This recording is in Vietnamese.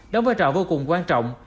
đóng vai trò vô cùng quan trọng